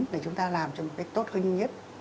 để chúng ta làm cho một cách tốt hơn nhất